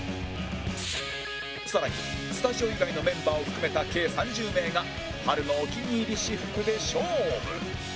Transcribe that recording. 更にスタジオ以外のメンバーを含めた計３０名が春のお気に入り私服で勝負